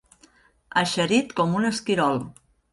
Eixerit com un esquirol.